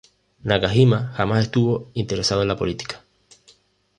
Nakajima jamás estuvo interesado en la política.